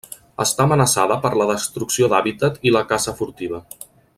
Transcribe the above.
Està amenaçada per la destrucció d'hàbitat i la caça furtiva.